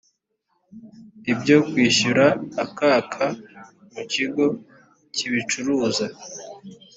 ibyo kwishyura akaka mu kigo kibicuruza